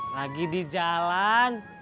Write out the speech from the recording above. lagi di jalan